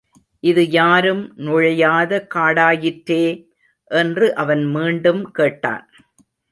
இது யாரும் நுழையாத காடாயிற்றே! என்று அவன் மீண்டும் கேட்டான்.